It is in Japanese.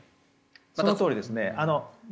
そのとおりですね。